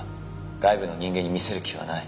外部の人間に見せる気はない。